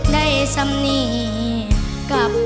ได้สำนีกกับพ่อ